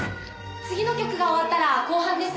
次の曲が終わったら後半です。